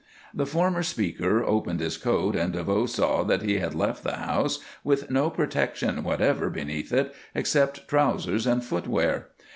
The former speaker opened his coat and DeVoe saw that he had left the house with no protection whatever beneath it, except trousers and footgear.